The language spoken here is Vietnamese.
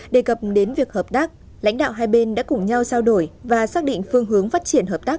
đề cập đến việc hợp tác lãnh đạo hai bên đã cùng nhau trao đổi và xác định phương hướng phát triển hợp tác